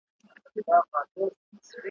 زما له شمعي سره مینه شمع زما په مینه ښکلې ,